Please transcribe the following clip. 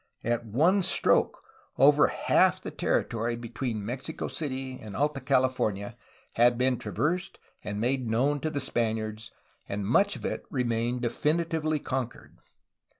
At one stroke 148 A HISTORY OF CALIFORNIA over half the territory between Mexico City and Alta California had been traversed and made known to the Spaniards, and much of it remained definitively conquered.